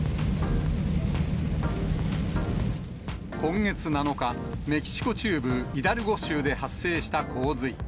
今月７日、メキシコ中部イダルゴ州で発生した洪水。